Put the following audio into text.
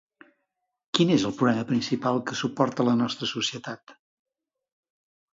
Quin és el problema principal que suporta la nostra societat?